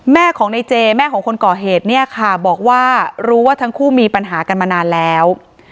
แม่ของในเจแม่ของคนก่อเหตุเนี่ยค่ะบอกว่ารู้ว่าทั้งคู่มีปัญหากันมานานแล้ว